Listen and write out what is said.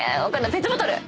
ペットボトル！